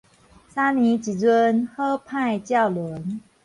三年一閏，好歹照輪